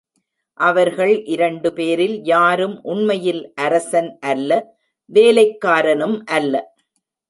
அவர்கள் இரண்டு பேரில் யாரும் உண்மையில் அரசன் அல்ல வேலைக்காரனும் அல்ல.